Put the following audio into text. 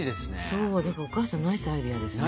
そうだからお母さんナイスアイデアですね。